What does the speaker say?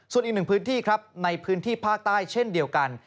ส่วนอีกหนึ่งพื้นที่ครับในพื้นที่ภาคใต้เช่นเดียวกัน